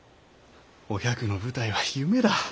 お百の舞台は夢だ。